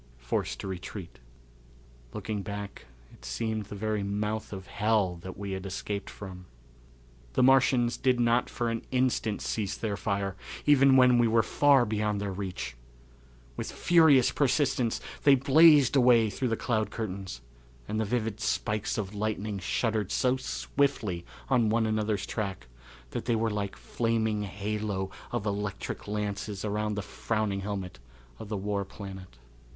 Forced to Retreat. Looking back it seemed the very mouth of hell that we had escaped from. The Martians did not for an instant cease their fire, even when we were far beyond their reach. With furious persistence they blazed away through the cloud curtains, and the vivid spikes of lightning shuddered so swiftly on one another's track that they were like a flaming halo of electric lances around the frowning helmet of the War Planet.